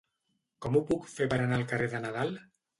Com ho puc fer per anar al carrer de Nadal?